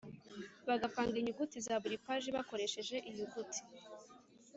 bagapanga inyuguti za buri paji bakoresheje inyuguti